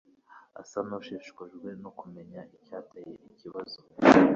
asa nushishikajwe no kumenya icyateye ikibazo.